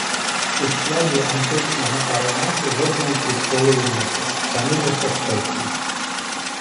У складі античного аромату – жодної квіткової ноти, самі лише спеції.